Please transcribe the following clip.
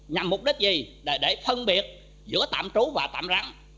nhằm mục đích gì để phân biệt giữa tạm trú và tạm rắn